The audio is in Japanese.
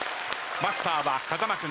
マスターは風間君。